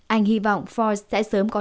anh hy vọng forbes sẽ sớm có thông tin